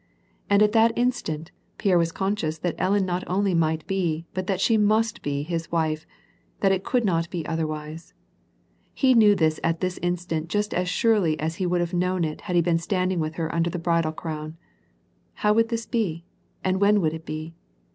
And at that instant, Pierre was conscious that Ellen not only might be, but that she must be his wife, that it could not be otherwise. He knew this at this instant just as surely as he would have known it had he been standing with her under the bridal crown. How would this be ? and when would it be